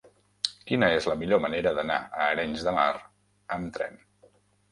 Quina és la millor manera d'anar a Arenys de Mar amb tren?